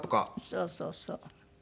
そうそうそう。